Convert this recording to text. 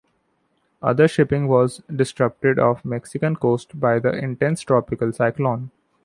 Other shipping was disrupted off the Mexican coast by the intense tropical cyclone.